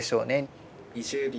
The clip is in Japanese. ２０秒。